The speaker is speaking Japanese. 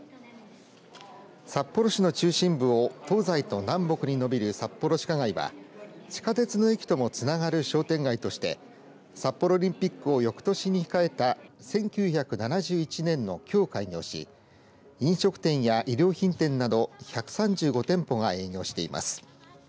札幌市の中心部を東西と南北に延びるさっぽろ地下街は地下鉄の駅ともつながる商店街として札幌オリンピックを翌年に控えた１９７１年のきょう開業し飲食店や衣料品店など１３５店舗が営業しています。